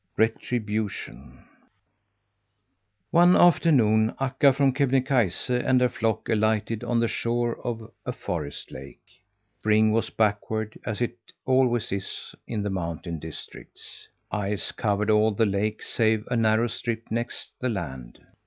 RETRIBUTION One afternoon Akka from Kebnekaise and her flock alighted on the shore of a forest lake. Spring was backward as it always is in the mountain districts. Ice covered all the lake save a narrow strip next the land.